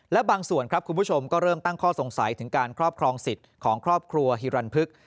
และบางส่วนครับคุณผู้ชมก็เริ่มตั้งข้อสงสัยถึงการครอบครองสิทธิ์ของครอบครัวฮิรันพึก